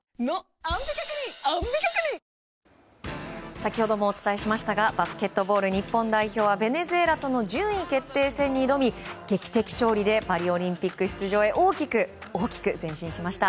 先ほどもお伝えしましたがバスケットボール日本代表はベネズエラとの順位決定戦に挑み劇的勝利でパリオリンピック出場へ大きく大きく前進しました。